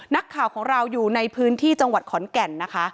นักข่าวของเราอยู่ในพื้นที่จังหวัดขอนแก่นนะคะ